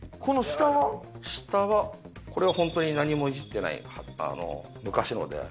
下はこれはホントに何もいじってない昔ので。